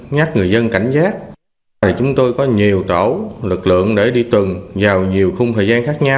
nhắc người dân cảnh giác chúng tôi có nhiều tổ lực lượng